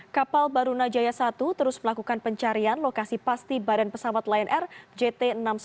kapal barunajaya satu terus melakukan pencarian lokasi pasti badan pesawat lion air jt enam ratus sepuluh